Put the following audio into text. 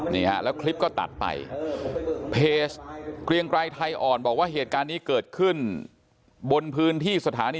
นี่ฮะแล้วคลิปก็ตัดไปเพจเกรียงไกรไทยอ่อนบอกว่าเหตุการณ์นี้เกิดขึ้นบนพื้นที่สถานี